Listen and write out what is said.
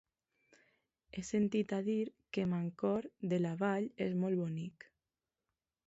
He sentit a dir que Mancor de la Vall és molt bonic.